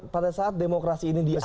pada saat demokrasi ini diasuh